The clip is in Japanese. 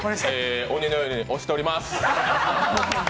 鬼のように押しております。